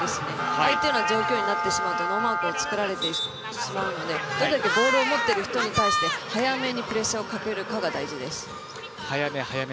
ああいったような状況になるとノーマークを作られてしまうのでどれだけボールを持っている人に対して早めにプレッシャーをかけれるかどうかが大事です。